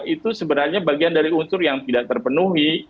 itu sebenarnya bagian dari unsur yang tidak terpenuhi